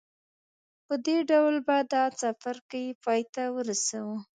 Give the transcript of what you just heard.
په دې ډول به دا څپرکی پای ته ورسوو